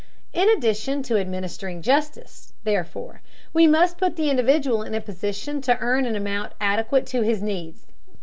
In addition to administering justice, therefore, we must put the individual in a position to earn an amount adequate to his needs.